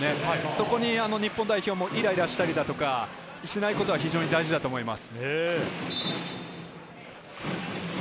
そこに日本代表もイライラしたりしないことが非常に大事だと思います。